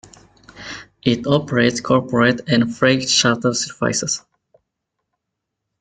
It operates corporate and freight charter services.